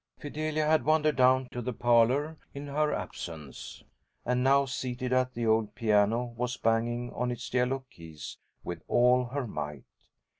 Fidelia had wandered down to the parlour in her absence, and now seated at the old piano was banging on its yellow keys with all her might.